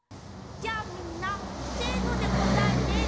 じゃあみんなせのでこたえて。